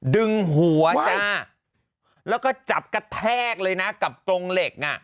ดึงหัวจ้าแล้วก็จับกระแทกเลยนะกับกรงเหล็กอ่ะ